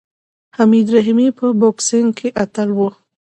حمید رحیمي په بوکسینګ کې اتل و.